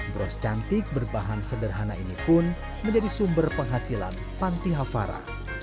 bros cantik berbahan sederhana ini pun menjadi sumber penghasilan panti hafara